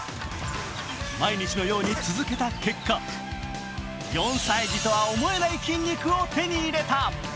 毎日のように続けた結果、４歳児とは思えない筋肉を手に入れた。